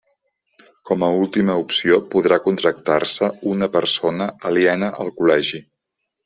Com a última opció, podrà contractar-se una persona aliena al col·legi.